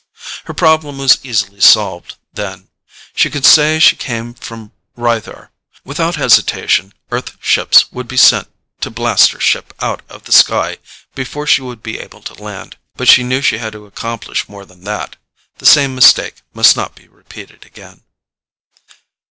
Her problem was easily solved, then. She could say she came from Rythar. Without hesitation, Earth ships would be sent to blast her ship out of the sky before she would be able to land. But she knew she had to accomplish more than that; the same mistake must not be repeated again.